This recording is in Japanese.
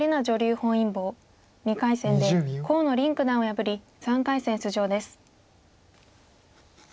本因坊２回戦で河野臨九段を破り３回戦出場です。